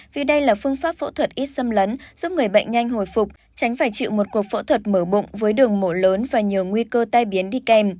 vì đây là phương pháp phẫu thuật ít xâm lấn giúp người bệnh nhanh hồi phục tránh phải chịu một cuộc phẫu thuật mở bụng với đường mổ lớn và nhiều nguy cơ tai biến đi kèm